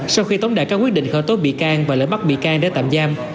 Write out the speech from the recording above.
sau khi tống đại các quyết định khởi tố bị can và lỡ bắt bị can để tạm giam